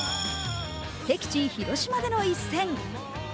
敵地・広島での一戦。